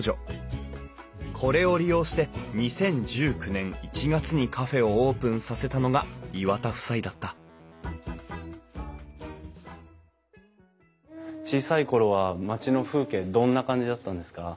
これを利用して２０１９年１月にカフェをオープンさせたのが岩田夫妻だった小さい頃は町の風景どんな感じだったんですか？